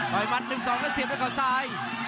ต่อยมัน๑๒ก็เสียไปขาวซ้าย